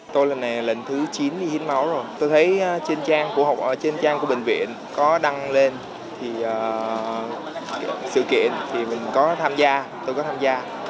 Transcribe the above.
tôi lần này là lần thứ chín đi hiến máu rồi tôi thấy trên trang của bệnh viện có đăng lên sự kiện thì mình có tham gia tôi có tham gia